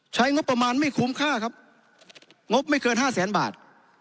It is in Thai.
ใช้งบประมาณไม่คุ้มค่าครับงบไม่เกินห้าแสนบาท